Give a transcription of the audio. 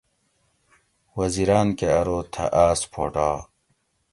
وزیراۤن کہ اۤرو تھہ آۤس پھوٹا